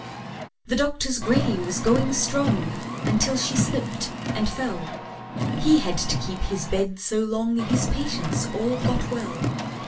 The Doctor's gray was going strong Until she slipped and fell; He had to keep his bed so long His patients all got well.